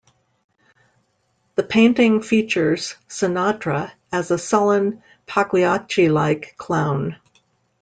The painting features Sinatra as a sullen, Pagliacci-like clown.